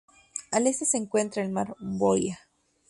Al este se encuentra el Mar de Bohai.